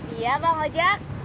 iya bang ojak